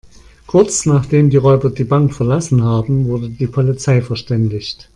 Kurz, nachdem die Räuber die Bank verlassen haben, wurde die Polizei verständigt.